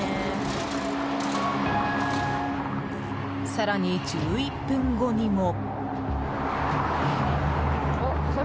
更に、１１分後にも。